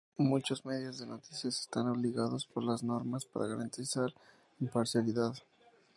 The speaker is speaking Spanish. Muchos medios de noticias están obligados por las normas para garantizar imparcialidad.